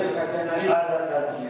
ada kajian itu yang harus saya memutuskan